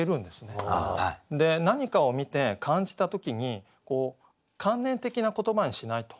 で何かを見て感じた時に関連的な言葉にしないと。